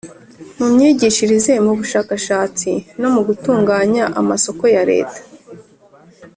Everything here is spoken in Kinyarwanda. mu myigishirize mu bushakashatsi no mu gutunganya amasoko ya leta